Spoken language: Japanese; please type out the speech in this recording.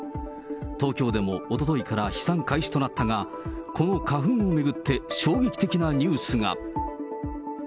東京でもおとといから飛散開始となったが、この花粉を巡って衝撃的なニュースが。